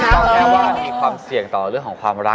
ต้องแค่ว่ามีความเสี่ยงต่อเรื่องของความรัก